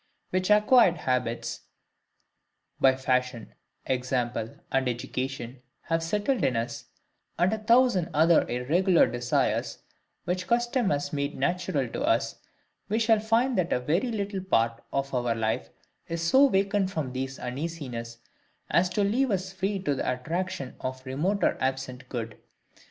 which acquired habits, by fashion, example, and education, have settled in us, and a thousand other irregular desires, which custom has made natural to us, we shall find that a very little part of our life is so vacant from THESE uneasinesses, as to leave us free to the attraction of remoter absent good.